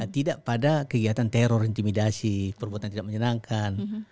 tidak pada kegiatan teror intimidasi perbuatan tidak menyenangkan